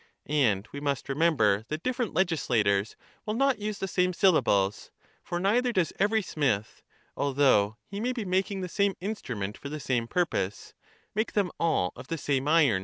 And we must remember that different legislators will not use the same syllables. For neither does every smith, although he may be making the same instrument for the same purpose, make them all of the same iron.